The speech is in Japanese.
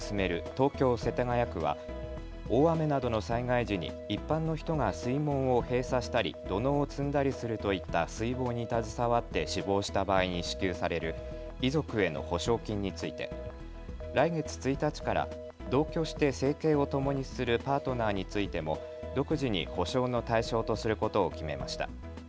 東京世田谷区は大雨などの災害時に一般の人が水門を閉鎖したり、土のうを積んだりするといった水防に携わって死亡した場合に支給される遺族への補償金について来月１日から同居して生計をともにするパートナーについても独自に補償の対象とすることを決めました。